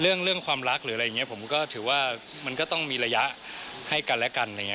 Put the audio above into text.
เรื่องความรักหรืออะไรอย่างนี้ผมจะถือว่ามันก็ต้องมีระยะให้กันด้วยกัน